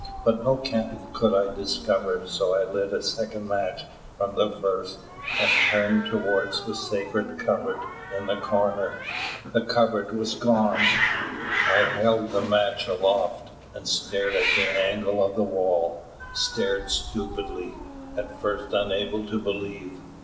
But no candle could I discover; so I lit a second match from the first and turned towards the sacred cupboard in the corner. The cupboard was gone! I held the match aloft, and stared at the angle of the wall; stared stupidly, at first unable to believe.